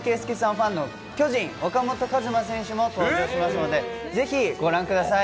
ファンの巨人、岡本和真選手も登場しますので、ぜひご覧ください。